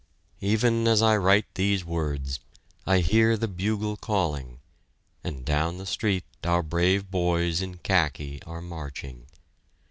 Even as I write these words, I hear the bugle calling, and down the street our brave boys in khaki are marching.